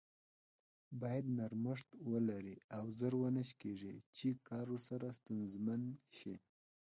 بايد نرمښت ولري او زر و نه شکیږي چې کار ورسره ستونزمن شي.